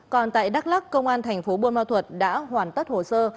còn tại đắk lắc công an thành phố buôn ma thuật đã hoàn tất hồ sơ